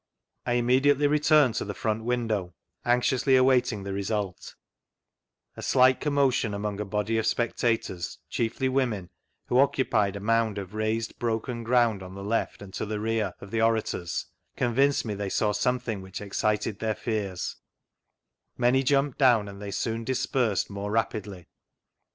I immediately returned to the front window, anxiously awaiting the result; a slight commotion aniong a body of spectators, chiefly women, who occupied a mound of raised, broken ground on the left, and to the rear, of the orators, convinced me they saw something which excited their fears; many jumped down, and they soon dispersed more vGoogIc 14 THREE ACCOUNTS OF PETERLOO rapidly.